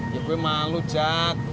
ya gue malu jack